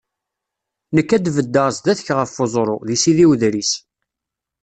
Nekk ad d-beddeɣ zdat-k ɣef weẓru, di Sidi Udris.